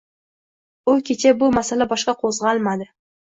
U kecha bu masala boshqa ko'zg'almadi.